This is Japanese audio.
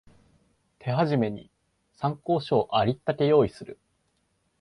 手始めに参考書をありったけ用意する